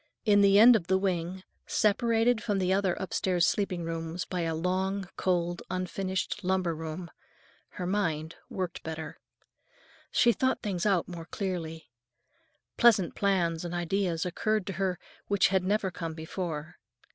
In the end of the wing, separated from the other upstairs sleeping rooms by a long, cold, unfinished lumber room, her mind worked better. She thought things out more clearly. Pleasant plans and ideas occurred to her which had never come before.